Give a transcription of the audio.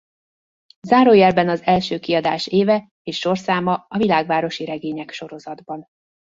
Zárójelben az első kiadás éve és sorszáma a Világvárosi Regények sorozatban.